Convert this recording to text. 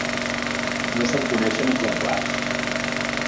No se'n coneixen exemplars.